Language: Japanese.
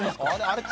あれ？